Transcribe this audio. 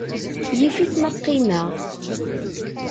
Yif-it ma qqimeɣ.